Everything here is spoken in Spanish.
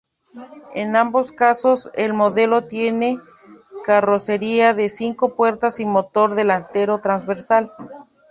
En ambos casos, el modelo tiene carrocería de cinco puertas y motor delantero transversal.